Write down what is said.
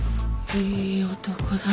いい男だね。